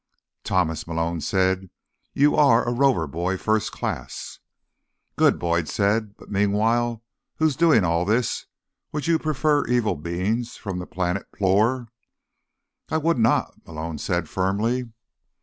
"Thomas," Malone said, "you are a Rover Boy First Class." "Good," Boyd said. "But, meanwhile, who is doing all this? Would you prefer Evil Beings from the Planet Ploor?" "I would not," Malone said firmly.